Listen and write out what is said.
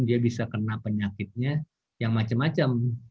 dia bisa kena penyakitnya yang macam macam